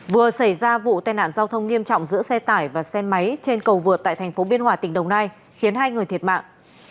vừa xảy ra vụ tai nạn giao thông nghiêm trọng giữa xe tải và xe máy trên cầu vượt tại thành phố biên hòa tỉnh đồng nai khiến hai người thiệt mạng